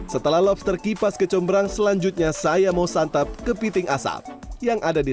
setelah lobster kipas kecombrang selanjutnya saya mau santap kepiting asap yang ada di